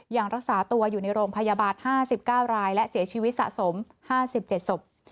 ยังรักษาตัวอยู่ในโรงพยาบาล๕๙รายและเสียชีวิตสะสม๕๗ศพ